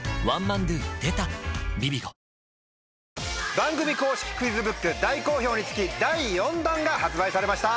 番組公式クイズブック大好評につき第４弾が発売されました。